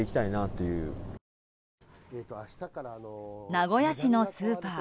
名古屋市のスーパー。